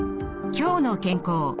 「きょうの健康」